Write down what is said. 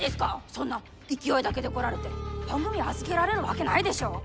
そんな勢いだけで来られて番組預けられるわけないでしょう！